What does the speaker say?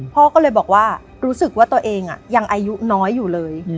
พ่อก็เลยบอกว่ารู้สึกว่าตัวเองยังอายุน้อยอยู่เลย